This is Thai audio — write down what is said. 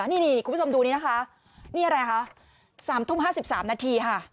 นี่อะไรคะ๓ทุ่ม๑๒๕๓นค่ะ